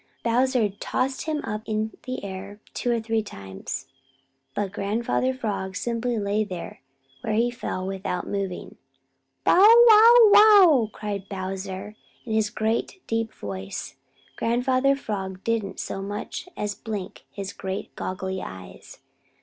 Bowser tossed him up in the air two or three times, but Grandfather Frog simply lay where he fell without moving. "Bow, wow, wow!" cried Bowser, in his great deep voice. Grandfather Frog didn't so much as blink his great goggly eyes.